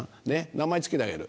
名前付けてあげる。